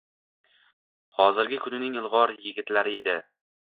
hozirgi kunning ilg‘or yigitlari edi.